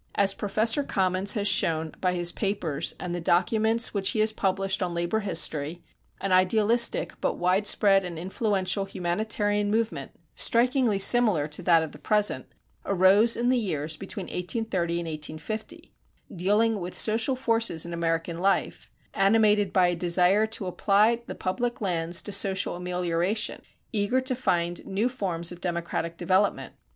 As Professor Commons has shown by his papers and the documents which he has published on labor history, an idealistic but widespread and influential humanitarian movement, strikingly similar to that of the present, arose in the years between 1830 and 1850, dealing with social forces in American life, animated by a desire to apply the public lands to social amelioration, eager to find new forms of democratic development.